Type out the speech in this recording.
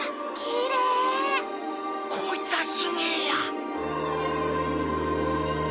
こいつはすげえや！